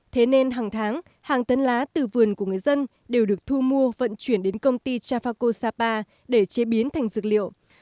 thế nên hàng tháng hàng tấn lá từ vườn của người dân đều được thu mua vận chuyển đến công ty trafaco sapa để chế biến thành dược liệu